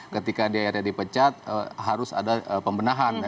ketika dia ada dipecat harus ada pembenahan